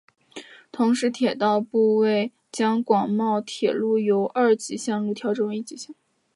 同时铁道部将广茂铁路由二级线路调整为一级线路。